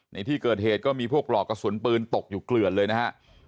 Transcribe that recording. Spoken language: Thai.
ในที่เกิดเหตุก็มีพวกปลอกกระสุนปืนตกอยู่เกลือนเลยนะฮะ